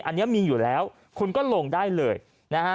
อันนี้มีอยู่แล้วคุณก็ลงได้เลยนะฮะ